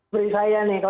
beri saya nih